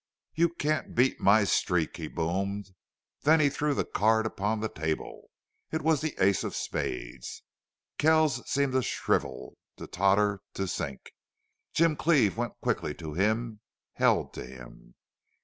"You can't beat my streak!" he boomed. Then he threw the card upon the table. It was the ace of spades. Kells seemed to shrivel, to totter, to sink. Jim Cleve went quickly to him, held to him.